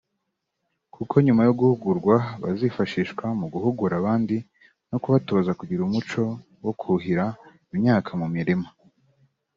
kuko nyuma yo guhugurwa bazifashishwa mu guhugura abandi no kubatoza kugira umuco wo kuhira imyaka mu mirima